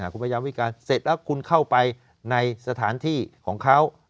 คุณพยายามวิการเสร็จแล้วคุณเข้าไปในสถานที่ของเขา